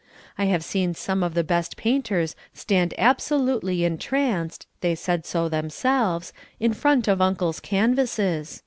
I have seen some of the best painters stand absolutely entranced, they said so themselves, in front of Uncle's canvasses.